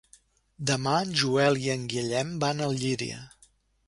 Demà en Joel i en Guillem van a Llíria.